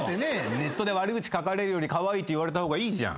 ネットで悪口書かれるよりカワイイって言われた方がいいじゃん。